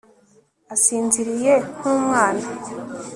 asinziriye nk'umwana